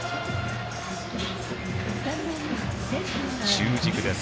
中軸です。